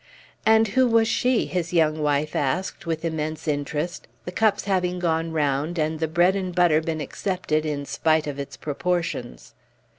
"And who was she?" his young wife asked with immense interest, the cups having gone round, and the bread and butter been accepted in spite of its proportions.